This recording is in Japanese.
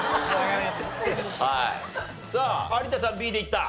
さあ有田さんＢでいった。